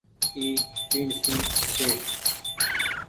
اي ٽيڻسي ڇي۔